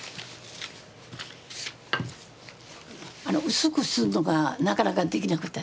薄くするのがなかなかできなかった。